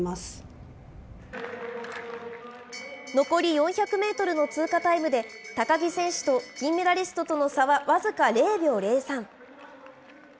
残り４００メートルの通過タイムで、高木選手と金メダリストとの差は僅か０秒０３。